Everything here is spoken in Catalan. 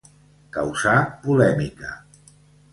Causà polèmica.